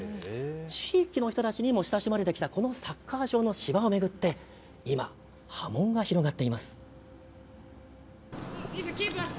地域の人たちにも親しまれてきたこのサッカー場の芝を巡って今、波紋が広がっています。